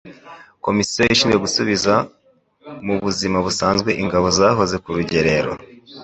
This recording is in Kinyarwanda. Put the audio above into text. komisiyo ishinzwe gusubiza mu buzima busanzwe ingabo zahoze ku rugerero